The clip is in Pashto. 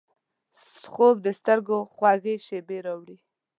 خوب د سترګو خوږې شیبې راوړي